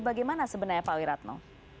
bagaimana sebenarnya pak wira tno